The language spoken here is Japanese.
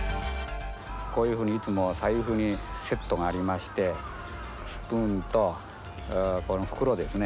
こういうふうにいつも財布にセットがありましてスプーンとこの袋ですね。